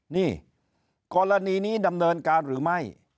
นี่กรณีนี้ดำเนินการหรือไม่